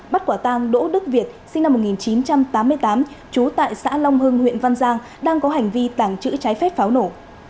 bắt quả tang đỗ đức việt sinh năm một nghìn chín trăm tám mươi tám trú tại xã long hưng huyện văn giang đang có hành vi tàng trữ trái phép pháo nổ